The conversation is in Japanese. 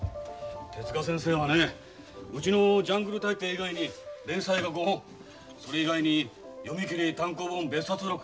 手先生はねうちの「ジャングル大帝」以外に連載が５本それ以外に読み切り単行本別冊付録。